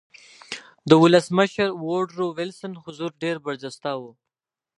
د ولسمشر ووډرو وېلسن حضور ډېر برجسته و